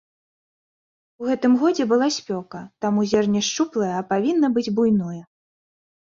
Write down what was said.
У гэтым годзе была спёка, таму зерне шчуплае, а павінна быць буйное.